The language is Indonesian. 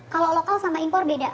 kalau lokal sama impor beda